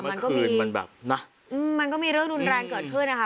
มันก็มีมันก็มีเรื่องนุ่นแรงเกิดขึ้นนะคะ